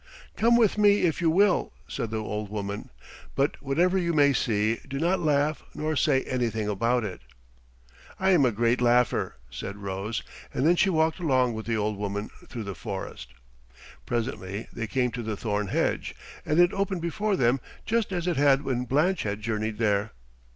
"Come with me if you will," said the old woman, "but whatever you may see do not laugh nor say anything about it." "I am a great laugher," said Rose, and then she walked along with the old woman through the forest. Presently they came to the thorn hedge, and it opened before them just as it had when Blanche had journeyed there.